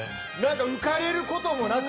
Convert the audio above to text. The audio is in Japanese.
浮かれることもなく。